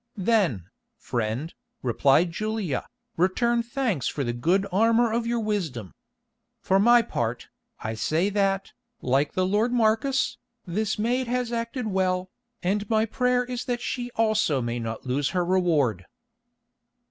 "Then, friend," replied Julia, "return thanks for the good armour of your wisdom. For my part, I say that, like the lord Marcus, this maid has acted well, and my prayer is that she also may not lose her reward."